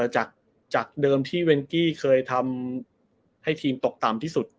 จากเดิมที่เวนกี้เคยทำให้ทีมตกต่ำที่สุด